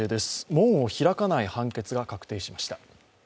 門を開かない判決が確定しました。